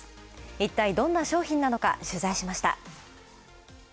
いったいどんな商品なのか取材しました。